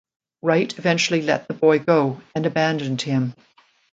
Wright eventually let the boy go and abandoned him.